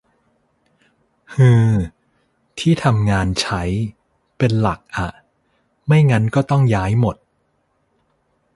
ฮือ ที่ทำงานใช้ เป็นหลักอะ ไม่งั้นก็ต้องย้ายหมด